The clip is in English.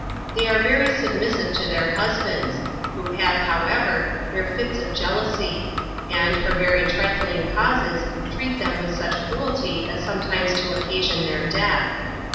They are very submis sive to their husbands, who have, ho w ever, their fits of jeal ousy; and, for very trifling causes, treat them with such cru elty as sometimes to occasion their death.